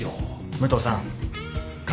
武藤さん風